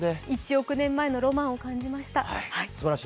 １億年前のロマンを感じました。